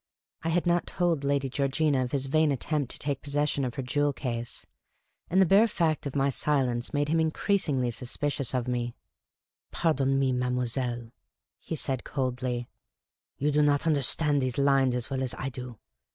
I had not told Lady Georgina of his vain attempt to take possession of her jewel case ; and the bare fact of my silence made him increasingly suspicious of me. 28 Miss Cayley's Adventures " Pardon me, mademoiselle," he said, coldly ;" you do not understand these lines as well as I do.